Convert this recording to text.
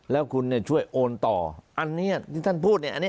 แล้วคุณช่วยโอนต่ออันนี้ที่ท่านพูด